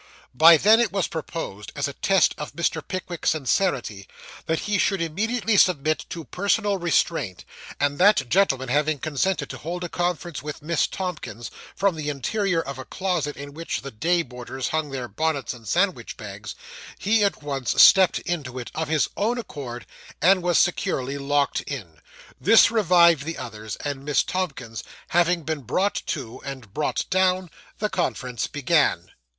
By them it was proposed, as a test of Mr. Pickwick's sincerity, that he should immediately submit to personal restraint; and that gentleman having consented to hold a conference with Miss Tomkins, from the interior of a closet in which the day boarders hung their bonnets and sandwich bags, he at once stepped into it, of his own accord, and was securely locked in. This revived the others; and Miss Tomkins having been brought to, and brought down, the conference began.